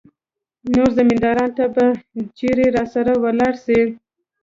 نو زمينداورو ته به چېرې راسره ولاړه سي.